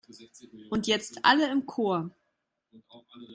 Und jetzt alle im Chor!